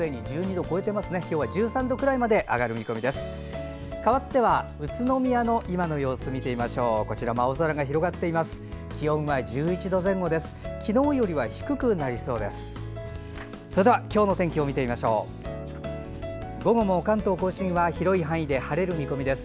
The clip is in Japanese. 昨日よりは低くなりそうです。